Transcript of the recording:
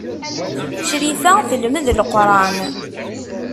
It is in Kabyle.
Crifa telmed Leqran.